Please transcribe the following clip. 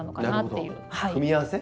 組み合わせ？